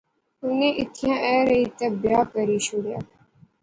انی ایتھیں ایہہ رہی تہ بیاہ کری شوڑیا